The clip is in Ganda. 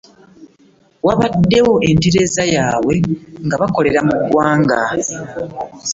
Bawaddeyo entendereza yaabwe ng'abalokole mu ggwanga